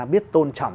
biết tôn trọng